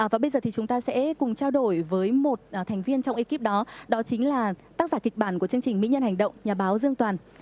và bây giờ thì chúng ta sẽ cùng trao đổi với một thành viên trong ekip đó đó chính là tác giả kịch bản của chương trình mỹ nhân hành động nhà báo dương toàn